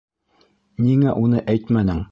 Ниңә уны әйтмәнең!